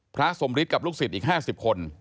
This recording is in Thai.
พระสมฤทธิกับลูกศิษย์อีก๕๐คน